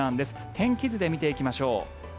天気図で見ていきましょう。